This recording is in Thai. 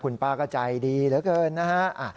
คุณป้าก็ใจดีเหลือเกินนะฮะ